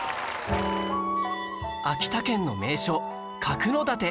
秋田県の名所角館